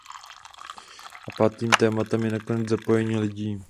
A pátým tématem je nakonec zapojení lidí.